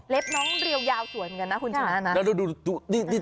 เล็บน้องเรียวยาวสวยเหมือนกันนะคุณจ๊ะนะแล้วดูตรงตาเปิดตา